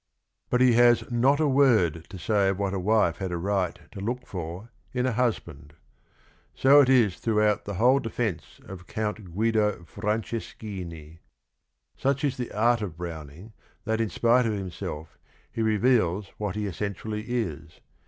But he has not a word to say of what a wife had a fight to look for in a husband. So it is through out the w hole defence of C ount Guido~I<'rahces chini. "Such is the art of .Browning that in "spite of himself he reveals what he essentially is.